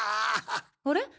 あれ？